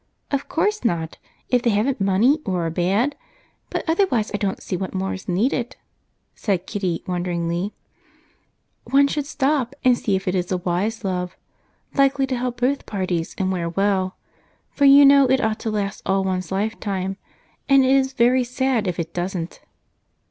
"Of course not if they haven't money or are bad. But otherwise I don't see what more is needed," said Kitty wonderingly. "One should stop and see if it is a wise love, likely to help both parties and wear well, for you know it ought to last all one's lifetime, and it is very sad if it doesn't."